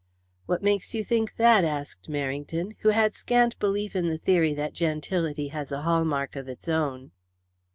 "What makes you think that?" asked Merrington, who had scant belief in the theory that gentility has a hallmark of its own.